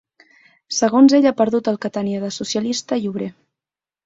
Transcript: Segons ell, ha perdut el que tenia de ‘socialista’ i ‘obrer’.